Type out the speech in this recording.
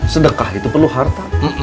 sedekah itu perlu harta